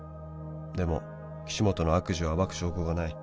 「でも岸本の悪事を暴く証拠がない」